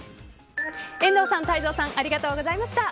遠藤さん、泰造さんありがとうございました。